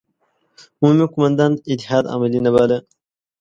عمومي قوماندان اتحاد عملي نه باله.